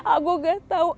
aku gak tahu